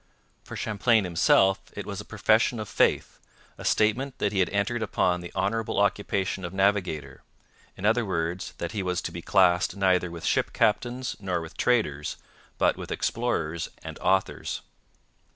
For Champlain himself it was a profession of faith, a statement that he had entered upon the honourable occupation of navigator; in other words, that he was to be classed neither with ship captains nor with traders, but with explorers and authors.